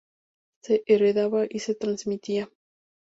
Se heredaba y se transmitía.